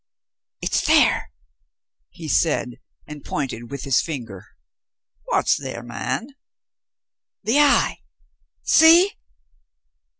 "It's there!" he said, and pointed with his finger. "What's there, man?" "The eye. See!